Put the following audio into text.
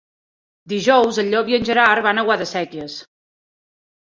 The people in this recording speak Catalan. Dijous en Llop i en Gerard van a Guadasséquies.